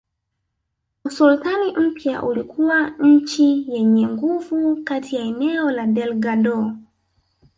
Usultani mpya ulikuwa nchi yenye nguvu kati ya eneo la Delgado